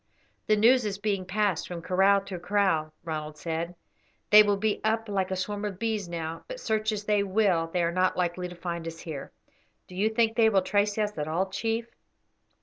"The news is being passed from kraal to kraal," Ronald said; "they will be up like a swarm of bees now, but search as they will they are not likely to find us here. Do you think they will trace us at all, chief?"